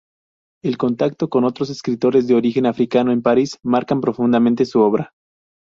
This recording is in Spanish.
El contacto con otros escritores de origen africano en París marcan profundamente su obra.